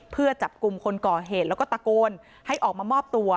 เพื่อจับกลุ่มคนก่อเหตุแล้วก็ตะโกนให้ออกมามอบตัว